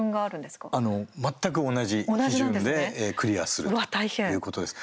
全く同じ基準でクリアするということです。